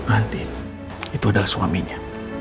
andi itu adalah suaminya